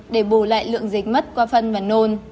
để bù lại lượng dịch mất qua phân và nôn